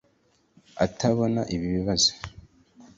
atabona ibi ibibazo